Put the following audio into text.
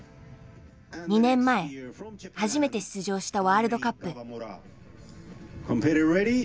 ２年前初めて出場したワールドカップ。